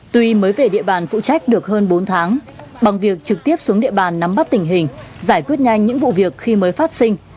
tuy mới về địa bàn phụ trách được hơn bốn tháng bằng việc trực tiếp xuống địa bàn nắm bắt tình hình giải quyết nhanh những vụ việc khi mới phát sinh